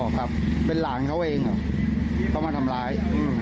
อ๋อครับเป็นหล่างเขาเองเขามาทำร้าย